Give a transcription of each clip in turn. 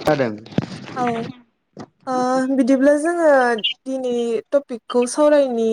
खोनादों? औ ओ बिदिब्ला जोङो दिनै टपिकखौ सावरायनि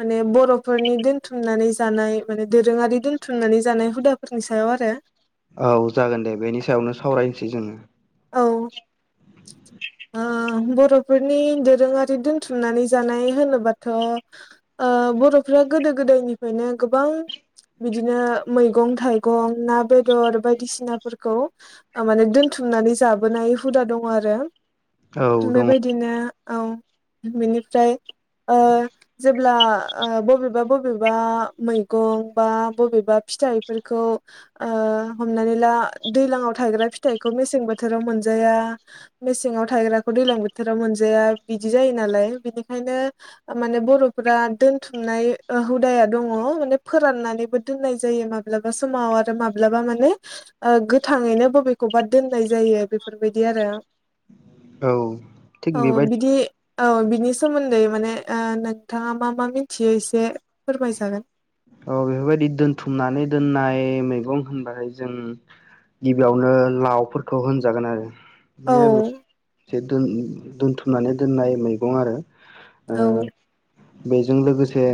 माने बर'फोरनि दोनथुमनानै जानाय माने दोरोङारि दोनथुमनानै जानाय हुदाफोरनि सायाव आरो। औ जागोन दे बेनि सायावनो सावरायनोसै जोङो। औ बर'फोरनि दोरोङारि दोनथुमनानै जानाय होनोबाथ' बर'फ्रा गोदो गोदायनिफ्रायनो गोबां बिदिनो मैगं थाइगं ना बेदर बायदिसिनाफोरखौ माने दोनथुमनानै जाबोनाय हुदा दङ आरो। औ दङ बेबायदिनो औ बेनिफ्राय जेब्ला बबेबा बबेबा मैगं बा बबेबा फिथाइफोरखौ हमनानै ला दैलांआव थायग्रा फिथाइखौ मेसें बोथोर बोथोराव मोनजाया मेसेंआव थायग्राखौ दैलां बोथोराव मोनजाया बिदि जायो नालाय बिनिखायनो माने बर'फोरा दोनथुमनाय हुदाया दङ माने फोराननानैबो दोननाय जायो माब्लाबा समाव आरो माब्लाबा माने गोथाङैनो बबेखौबा दोननाय जायो बेफोरबायदि आरो। औ थिग औ बेबायदि बिदि औ बिनि सोमोन्दै माने नोंथाङा मा मा मिथियो एसे फोरमायजागोन। औ बेफोरबायदि दोनथुमनानै दोननाय मैगं होनबाथाय जों गिबियावनो लावफोरखौ होनजागोन आरो। औ [unintelligible] दोन्थुमनानै दोननाय मैगं आरो। ओ औ बेजों लोगोसे जे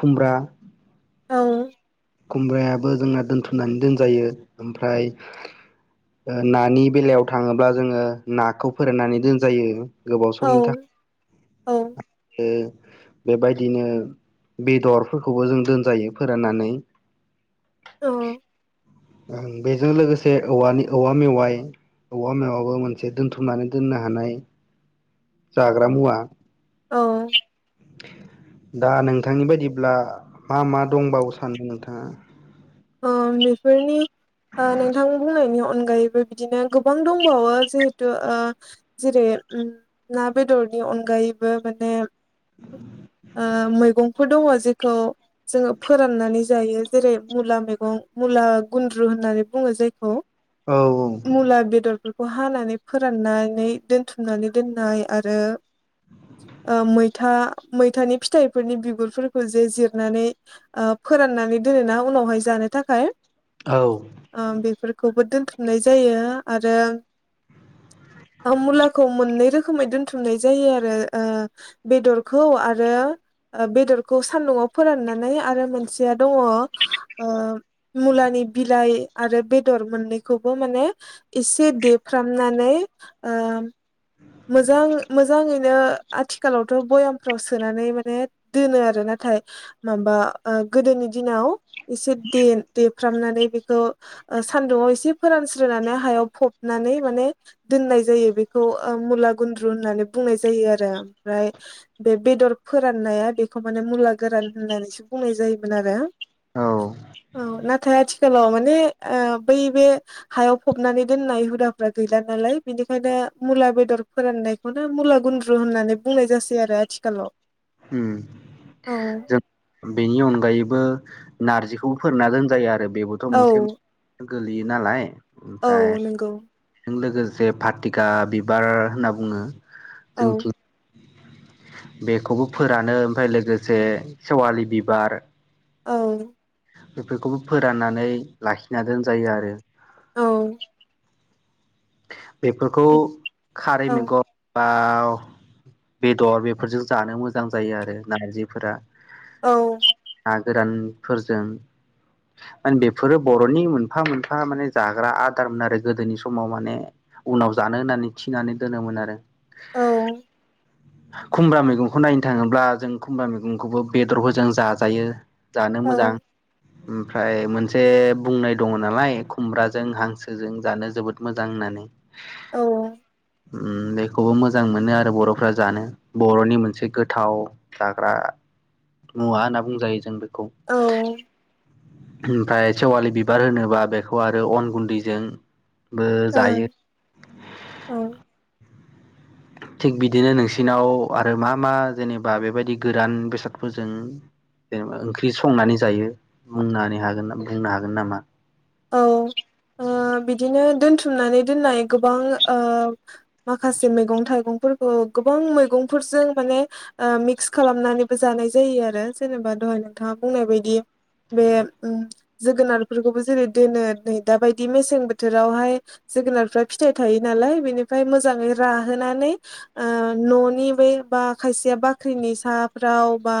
खुमब्रा औ खुमब्रायाबो जोंना दोनथुमनानै दोनजायो ओमफ्राय नानि बेलायाव थाङोब्ला जोङो नाखौ फोराननानै दोनजायो गोबाव औ समनि औ थाखाय आरो बेबायदिनो बेदरफोरखौबो जों दोनजायो फोराननानै। औ। बेजों लोगोसे औवानि औवा मेवाइ औवा मेवाबो मोनसे दोनथुम औ। दा नोंथांनि बायदिब्ला मा मा दंबावो सानदों नोंथाङा। ओ बेफोरनि नोंथां बुंनायनि अ अनगायैबो बिदिनो गोबां दंबावो जिहेथु जेरै ना बेदरनि अनगायैबो माने ओ मैगंफोर दङ जेखौ जोङो फोराननानै जायो जेरै मुला मेगं मुला गुन्द्रु होननानै बुङो जायखौ औ औ मुला बेदर खौ हानानै फोराननानै दोनथुमनानै दोननाय आरो। ओ मैथा मैथानि फिथाइफोरनि बिगुरफोरखौ जे जिरनानै फोराननानै दोन ना उनाव गय [unintelligible] जानो थाखाय औ ओ बेफोर खौबो दोनथुमनाय जायो आरो मुलाखौ मोननै रोखोमै दोनथुमनाय जायो आरो ओ बेदरखौ आरो बेदरखौ सान्दुंआव फोराननानै आरो मोनसेया दङ ओ मुलानि बिलाइ आरो बेदर मोननैखौबो माने एसे देफ्रामनानै ओ मोजां मोजाङैनो आथिखालावथ' भयामफ्राव सोनानै माने दोनो आरो नाथाय माबा गोदोनि दिनाव एसे दे देफ्रामनानै बेखौ सान्दुंआव एसे फोरानस्रोनानै हायाव फबनानै माने दोननाय जायो बेखौ ओ मुला गुन्द्रु होननानै बुंनाय जायो आरो ओमफ्राय बे बेदर फोराननाया बेखौ माने मुला गोरान होननानैसो बुंनाय जायोमोन आरो। औ औ ना थाय आथिखालाव माने ओ बै बे हायाव फबनानै दोननाय हुदाफ्रा गैला नालाय बिनिखायनो मुला बेदर फोराननायखौनो मुला गुन्द्रु होननानै बुंनाय जासै आरो आथिखालाव उम औ। जों बेनि अनगायैबो नारजिखौबो फोरानना दोनजायो आरो। बेबोथ' औ मोनसे गोलैयो नालाय। औ नंगौ। बेजों लोगोसे फाथिखा बिबार होनना बुङो। औ जोंथिं बेखौबो फोरानो ओमफ्राय लोगोसे सेवालि बिबार। औ। बेफोरखौबो फोराननानै लाखिना दोन जायो आरो। औ बेफोरखौ खारै औ मैगं दाउ बेदर बेफोरजों जानो मोजां जायो आरो नारजिफोरा। औ। ना गोरानफोरजों माने बेफोरो बर'नि मोनफा मोनफा माने जाग्रा आदारमोन आरो गोदोनि समाव माने उनाव जानो होननानै थिनानै दोनोमोन आरो। औ खुमब्रा मैगंखौ नायनो थाङोब्ला जों खुम्ब्रा मैगंखौबो बेदर बोजों जाजायो। जानो औ मोजां। ओमफ्राय मोनसे बुंनाय दङ नालाय खुमब्राजों हांसोजों जानो जोबोद मोजां होननानै। औ उम बेखौबो मोजां मोनो आरो बर'फ्रा जानो बर'नि मोनसे गोथाव जाग्रा मुवा होनना बुंजायो जों बे खौ। औ ओमफ्राय सेवालि बिबार होनोबा बेखौ आरो अन गुन्दैजों बो जायो। ओं औ थिग बिदिनो नोंसिनाव आरो मा मा जेनेबा बेबायदि गोरान बेसादफोरजों जेनेबा ओंख्रि संनानै जायो बुंनानै हागोन बुंनो हागोन नामा? औ ओ बिदिनो दोनथुमनानै दोननाय गोबां ओ माखासे मैगं थाइगंफोरखौ गोबां मैगंफोरजों माने ओ मिक्स खालामनानैबो जानाय जायो आरो जेनेबा दहाय नोंथाङा बुंनाय बायदि बे उम जोगोनारफोरखौबो जेरै दोनो नै दााबायदि मेसें बोथोरावहाय जोगोनारफ्रा फिथाइ थायो नालाय बेनिफ्राय मोजाङै राहोनानै ओ न'नि बे बा खायसेया बाख्रिनि साफ्राव बा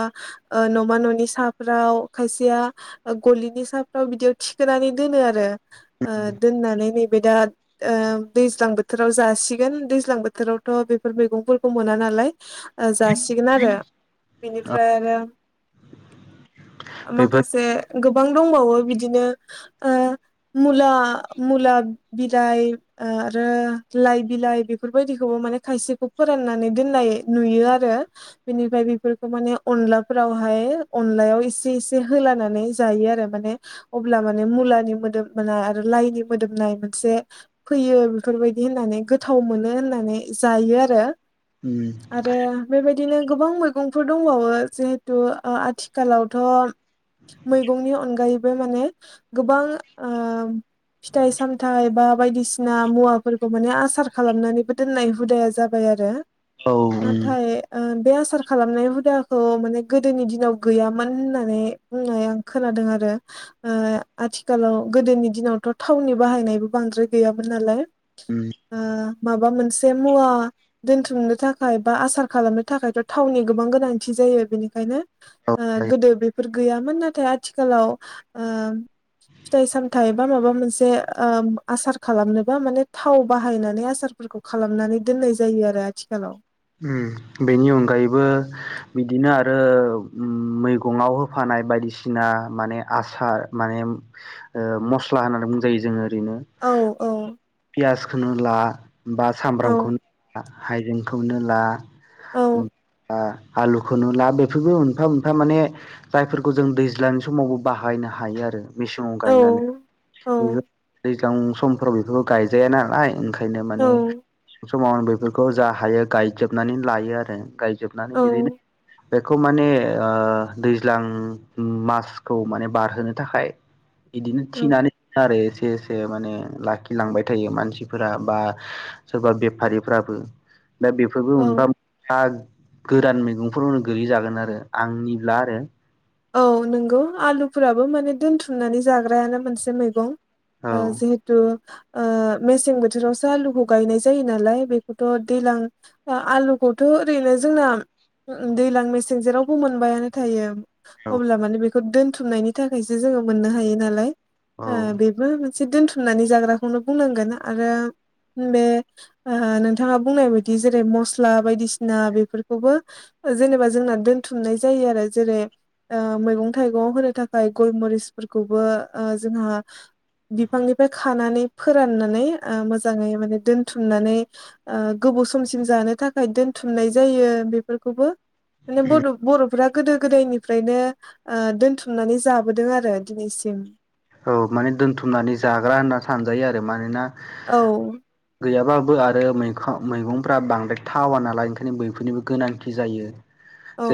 ओ न'मा न'नि साफ्राव खायसेया गलिनि साफ्राव बिदियाव थिखोनानै दोनो आरो। ओ दोननानै नै बे दा ओ दैज्लां बोथोराव जासिगोन दैज्लां बोथोरावथ' बेफोर मैगंफोरखौ मोना नालाय जासिगोन आरो। बेनिफ्राय आरो बेफोर माखासे गो बां दंबावो बिदिनो अ मुला-मुला बिलाइ आरो लाइ बिलाइ बेफोरबायदिखौबो माने खायसेखौ फोराननानै दोननाय नुयो आरो बेनिफ्राय बेफोरखौ माने अनलाफोरावहाय अनलायाव एसे-एसे होलानानै जायो आरो माने अब्ला मा- ने मुलानि मोदोमनाय आरो लाइनि मोदोमनाय मोनसे फैयो बेफोरबायदि होननानै गोथाव मोनो होननानै जायो आरो उम आरो बेबाय- दिनो गोबां मैगंफोर दंबावो जिहेथु अ आथिखालावथ' मैगंनि अनगायैबो माने गोबां अ फिथाइ सामथाइ बा बायदिसिना मुवाफोरखौ माने आसार खालामनानैबो दोननाय हुदाया जाबाय आरो औ उम नाथाय अ बे आसार खालामनाय हुदाखौ माने गोदोनि दिनाव गैयामोन होननानै बुंनाय आं खोनादों आरो अ आथिखालाव गोदोनि दिनावथ' थावनि बाहायनायबो बांद्राय गैयामोन नालाय उम अ माबा मोनसे मुवा दोनथुमनो थाखाय बा आसार खालामनो थाखायथ' थावनि गोबां गोनांथि जायो बेनिखायनो अ गोदो बेफोर गैयामोन नाथाय आथिखालाव अ फिथाइ सामथायाइ बा माबा मोनसे अ आसार खालामनोबा माने थाव बाहायनानै आसारफोरखौ खालामनानै दोननाय जायो आरो आथिखालाव उम बेनि अनगायैबो बिदिनो आरो मैगंआव होफानाय बायदिसिना माने आसार माने अ मस्ला होननानै बुंजायो जोङो दिनो औ औ पियास खौनो ला बा औ सामब्रामखौ ला हायजें खौनो ला औ उ आ आलुखौनो ला बेफोरबो मोनफा-मोनफा माने जायफोरखौ जों दैज्लांनि समावबो बाहायनो हायो आरो मेसेंङाव औ गायनानै औ निजत दैज्लां समफोराव बेखौ गायजाया नालाय ओंखाय- नो माने समाव आं बेफोरखौ जा हायो गायजोबनानै लायो आरो गायजोबनानै औ बिदिनो बेखौ माने अ दैज्लां मासखौ माने बारहोनो थाखाय बिदिनो थिनानो आरो एसे एसे माने लाखिलांबाय थायो मानसिफोरा बा सोरबा बेफारिफ्राबो दा बेफोरबो औ मोनफा हा गोदान मैगंफोरावनो गैयि जागोन आरो आंनिब्ला आरो औ नंगौ आलुफोराबो माने दोनथुमनानै जाग्रायानो मोनसे मैगं औ अ जिहेतु अ मेसें बोथोरावसो आलुखौ गायनाय जायो नालाय बेखौथ' दैज्लां आलुखौथ' ओरैनो जोंना दैज्लां मेसें जेरावबो मोनबायानो थायो औ अब्ला माने बे दोनथुमनायनि थाखायसो जोङो मोननो हायो नालाय औ अ बिबो मोन- से दोनथुमनानै जाग्राखौनो बुंनांगोन आरो बे अ नोंथाङा बुंनाय बायदि जेरै- मस्ला बायदिसिना बेफोरखौबो जेनेबा जोंना दोनथुमनाय जायो आरो जेरै- अ मैगं-थाइगं होनो थाखाय गय मरिसफोरखौबो अ जोंहा बिफांनिफ्राय खानानै फोराननानै अ मोजाङै माने दोनथुमनानै ओ गोबाव समसिम जानो थाखाय दोनथुमनाय जायो बेफोरखौबो ले बर'-बर'- फोरा गोदो- गोदायनि ओमफ्रायनो दोनथुमनानै जाबोदों आरो दिनैसिम औ माने दोनथुमनानै जाग्रा होनना सानजायो आरो मानोना औ गैयाबाबो आरो मे- मैगंफ्रा बांद्राय थावा नालाय ओंखायनो बैफोरनिबो गोनांथि जायो औ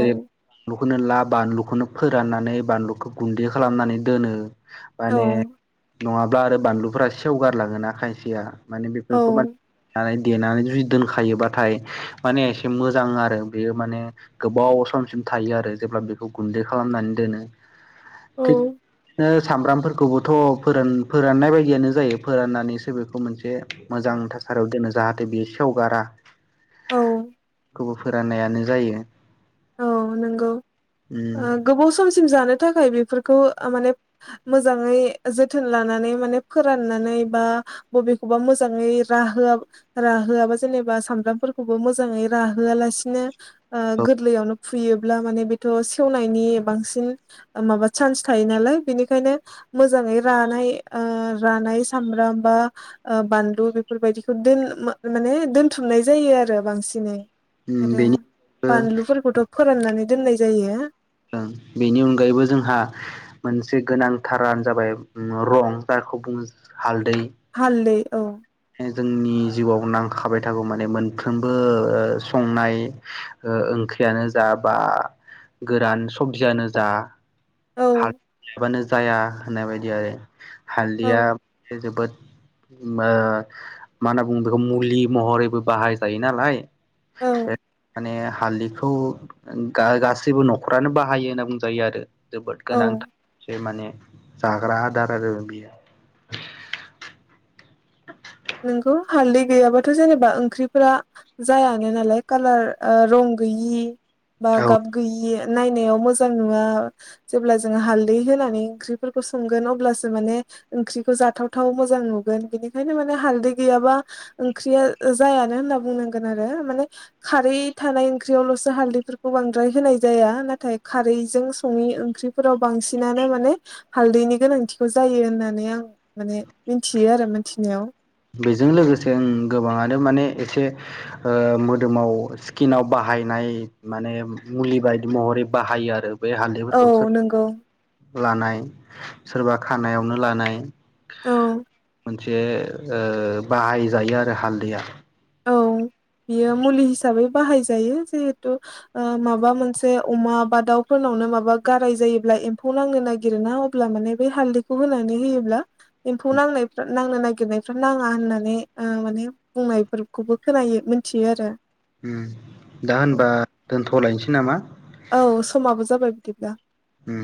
खोनो ला बानलुखौनो फोराननानै बानलुखौ गुन्दै खालामनानै दोनो। औ माने। नङाब्ला आरो बानलुफोरा सेवगारलाङोना खायसेया। माने औ बेफोरखौब [unintelligible] थानाय। देनानै जुदि दोनखायोबाथाय माने एसे मोजां आरो बेयो माने गोबाव समसिम थायो आरो जेब्ला बेखौ गुन्दै खालामनानै दोनो। औ थैद नोस। सामब्राम। फोरखौबोथ' फोरान फोराननाय बायदियानो जायो फोराननानैसो बेखौ मोनसे मोजां थासारियाव दोनो जाहाथे बेयो सेवगारा। औ खौबो फोराननायानो जायो। औ नंगौ उम ओ गोबाव समसिम जानो। थाखाय बेफोरखौ ओ माने मोजाङै जोथोन लानानै माने फोराननानै बा बबेखौबा मोजाङै राहोआब राहोआबा जेनेबा सामब्राम फोरखौबो मोजाङै राहोआ लासिनो ओ औ गोर लैयावनो फुयोब्ला माने बेथ' सेवनायनि बांसिन माबा चान्स थायो नालाय बेनिखायनो मोजाङै रानाय ओ रानाय सामब्राम बा बानलु बेफोरबायदिखौ दोन माने दोनथुमनाय जायो आरो बांसिनै। उम बेनि [unintelligible] ओ। थ' फोराननानै दोननाय जायो। ओं बेनि अनगायैबो जोंहा मोनसे गोनांथारानो जाबाय रं जाखौ बुङो हालद हालदै औ दै जोंनि जिउआव नां खाबाय थागौ माने मोनफ्रोमबो ओ संनाय ओ ओंख्रियानो जा बा। गोरान सबजियानो जा। औ [unintelligible] जाया होननाय बायदि आरो। औ हालदैया जोबोद मा मा होनना बुङो बेखौ मुलि महरैबो बाहाय जायो नालाय। औ बे माने। हालदैखौ गा-गासै बो न'खरानो बाहायो होनना बुंजायो आरो। जोबोद औ गोनांथा सो माने। जाग्रा आदार आरो बियो। नोंगौ हालदै गैयाबाथ' जेनेबा ओंख्रिफोरा जायानो नालाय कालार ओ रं गैयि बा औ गाब गोयि नायनायाव मोजां नुवा जेब्ला जोङो हालदै होनानै ओंख्रिफोरखौ संगोन अब्लासो माने ओंख्रिखौ जाथावथाव मोजां नुगोन बेनिखायनो माने हालदै गैयाबा ओंख्रिया ओ जायानो होनना बुंनांगोन आरो माने खारै थानाय ओंख्रियावल'सो हालदैफोरखौ बांद्राय होनाय जाया नाथाय खारैजों सङै ओंख्रिफोराव बांसिनानो माने हालदैनि गोनांथिखौ जायो होननानै आं माने मिथियो आरो मोनथिनायाव। बेजों लोगोसे ओं गोबाङानो माने एसे मोदोमाव स्किनाव बाहायनाय माने मुलि बायदि महरै बाहायो आरो। बे औ हालदैफोरखौ नंगौ [inaudible] लानाय सोरबा खानायावनो लानाय औ मोनसे ओ बाहाय जायो आरो हालदैया। औ बियो मुलि हिसाबै बाहायजायो जिहेथु ओ माबा ओ मोनसे अमा बा दाउफोरनावनो माबा गाराय जायोब्ला एम्फौ नांनो नागिर ना अब्ला माने बे हालदैखौ होनानै होयोब्ला एम्फौ नांनायफ्रा नांनो नागिरनायफ्रा नाङा होननानै ओ माने बुंनायफोर खौबो खोनायो मोनथियो आरो। ओम दा औ होनबा दोनथ'लायनोसै नामा औ समाबो जाबाय बिब्ला ओम